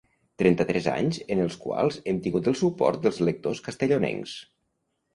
Trenta-tres anys en els quals hem tingut el suport dels lectors castellonencs.